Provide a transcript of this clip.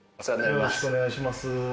よろしくお願いします。